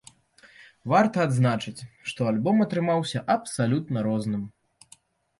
Варта адзначыць, што альбом атрымаўся абсалютна розным.